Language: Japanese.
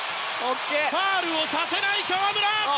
ファウルをさせない河村！